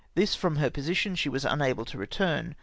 Tins, from her position, she was unable to return.